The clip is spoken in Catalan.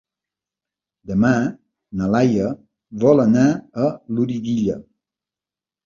Demà na Laia vol anar a Loriguilla.